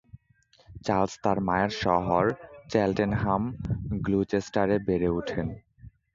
Charles তার মায়ের শহর চেল্টেনহাম, গ্লুচেস্টারে বেড়ে ওঠেন।